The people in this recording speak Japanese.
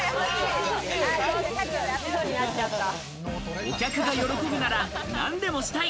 お客が喜ぶなら何でもしたい。